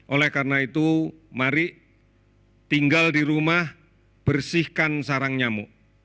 oleh karena itu mari tinggal di rumah bersihkan sarang nyamuk